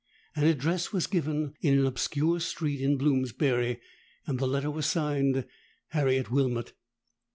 '—An address was given in an obscure street in Bloomsbury; and the letter was signed 'Harriet Wilmot.'